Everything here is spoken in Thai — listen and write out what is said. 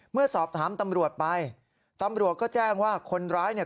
เมื่อสอบถามตำรวจไปตำรวจก็แจ้งว่าคนร้ายเนี่ย